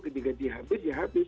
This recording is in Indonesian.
ketika dihabis ya habis